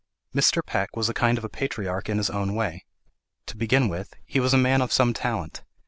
Mr. Peck was a kind of a patriarch in his own way. To begin with, he was a man of some talent.